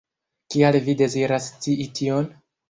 Kial vi deziras scii tion?